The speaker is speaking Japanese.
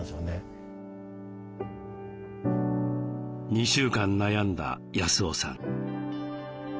２週間悩んだ康雄さん。